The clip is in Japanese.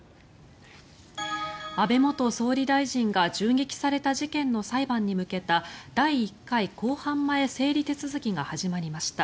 安倍元総理大臣が銃撃された事件の裁判に向けた第１回公判前整理手続きが始まりました。